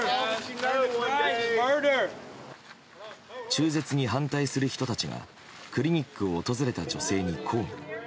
中絶に反対する人たちがクリニックを訪れた女性に抗議。